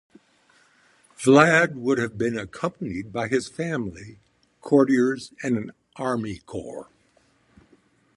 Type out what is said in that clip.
Vlad would have been accompanied by his family, courtiers, and an army corps.